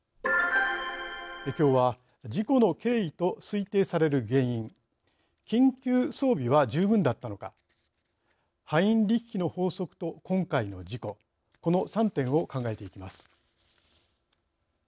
きょうは事故の経緯と推定される原因緊急装備は十分だったのかハインリッヒの法則と今回の事故この３点を考えていきます。